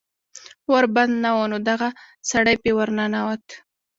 ور بند نه و نو دغه سړی پې ور ننوت